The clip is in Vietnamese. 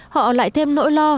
họ lại thêm nỗi lo